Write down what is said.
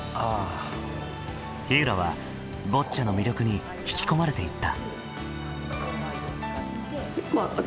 ひうらはボッチャの魅力に引き込まれていった。